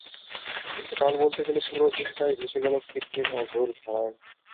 কিন্তু কাল বলতে গেলে পুরো দিনটাই ভেসে গেল সিডনির অঝোর ধারায়।